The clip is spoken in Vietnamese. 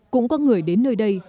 cũng có người đến nơi đây